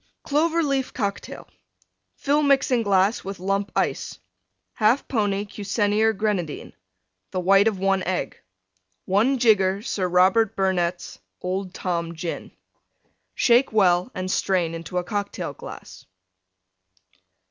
CLOVER LEAF COCKTAIL Fill Mixing glass with Lump Ice. 1/2 pony Cusenier Grenadine. The white of one Egg. 1 jigger Sir Robert Burnette's Old Tom Gin. Shake well and strain into a Cocktail glass.